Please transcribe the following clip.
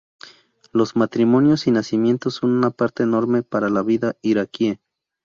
Los matrimonios y nacimientos son una parte enorme para la vida iraquí.